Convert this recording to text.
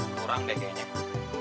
kurang deh kayaknya